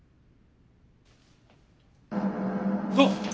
あっ！